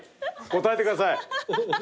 答えてください。